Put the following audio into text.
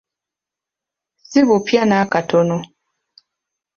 Sibupya n'akatono